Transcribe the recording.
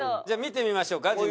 じゃあ見てみましょうか？